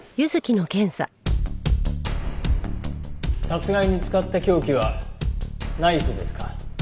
殺害に使った凶器はナイフですか？